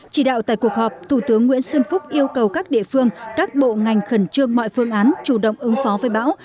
chỉ đạo tại cuộc họp thủ tướng nguyễn xuân phúc yêu cầu các địa phương các bộ ngành khẩn trương mọi phương án chủ động ứng phó với bão